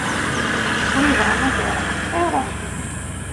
Win yebɣan ad iṛuḥ, iṛuḥ.